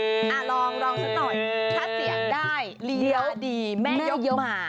อ่าลองสักหน่อยถ้าเสียงได้เลี้ยวดีแม่ยกมา